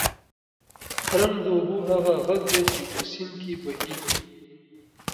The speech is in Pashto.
ترنګ د اوبو هغه غږ دی چې په سیند کې بهېږي.